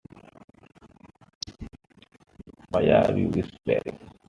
Why are you whispering?